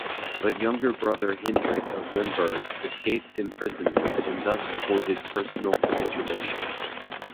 But younger brother Hendrik of Limburg escaped imprisonment and thus avoided personal capitulation.